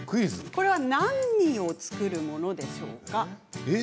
これは何を作るものでしょうか。